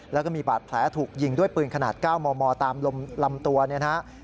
แล้วก็มีบาดแผลถูกยิงด้วยปืนขนาด๙มมตามลำตัวเนี่ยนะฮะ